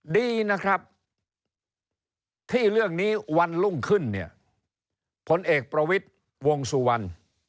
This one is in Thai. ดีนะครับที่เรื่องนี้วันลุ่งขึ้นผลเอกประวิทย์วงสู่วัน